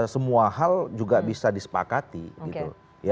semua hal juga bisa disepakati gitu